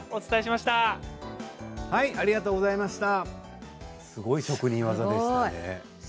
すごい技でしたね。